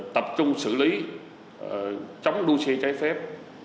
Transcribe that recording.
tập trung xử lý chống đua xe trái phép